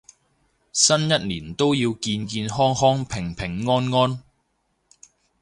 新一年都要健健康康平平安安